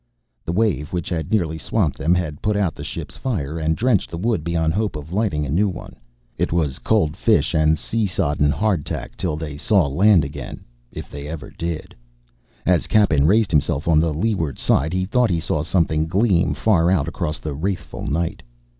The wave which had nearly swamped them had put out the ship's fire and drenched the wood beyond hope of lighting a new one. It was cold fish and sea sodden hardtack till they saw land again if they ever did. As Cappen raised himself on the leeward side, he thought he saw something gleam, far out across the wrathful night.